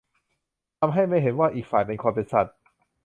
ทำให้ไม่เห็นว่าอีกฝ่ายเป็นคน เป็นสัตว์